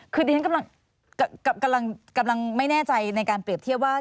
คือดิฉันกำลังไม่แน่ใจในการเปรียบเทียบว่า